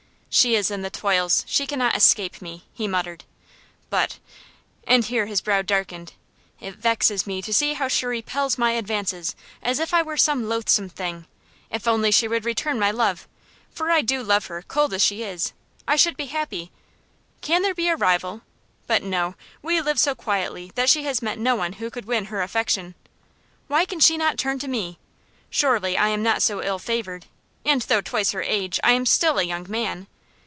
"She is in the toils! She cannot escape me!" he muttered. "But" and here his brow darkened "it vexes me to see how she repels my advances, as if I were some loathsome thing! If only she would return my love for I do love her, cold as she is I should be happy. Can there be a rival? But no! we live so quietly that she has met no one who could win her affection. Why can she not turn to me? Surely, I am not so ill favored, and though twice her age, I am still a young man.